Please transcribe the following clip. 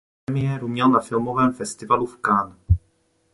Premiéru měl na Filmovém festivalu v Cannes.